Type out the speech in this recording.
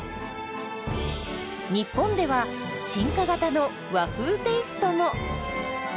日本では進化型の和風テイストも！